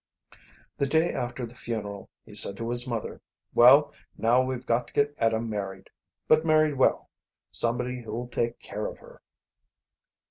The day after the funeral he said to his mother, "Well, now we've got to get Etta married. But married well. Somebody who'll take care of her."